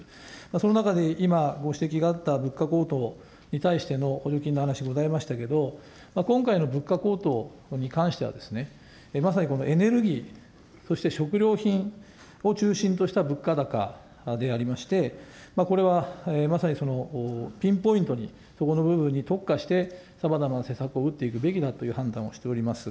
その中で今、ご指摘があった物価高騰に対しての補助金の話ございましたけれども、今回の物価高騰に関してはですね、まさにエネルギー、そして食料品を中心とした物価高でありまして、これはまさに、ピンポイントにそこの部分に特化して、さまざまな施策を打っていくべきだという判断をしております。